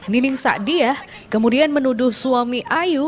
nining sakdiyah kemudian menuduh suami ayu